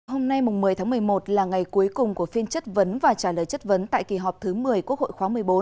hôm nay một mươi tháng một mươi một là ngày cuối cùng của phiên chất vấn và trả lời chất vấn tại kỳ họp thứ một mươi quốc hội khóa một mươi bốn